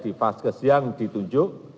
di pas kesiang ditunjuk